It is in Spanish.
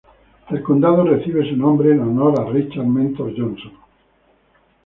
El condado recibe su nombre en honor a Richard Mentor Johnson.